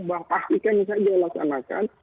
bahwa pasti kan bisa dilaksanakan